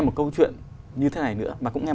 một câu chuyện như thế này nữa bà cũng nghe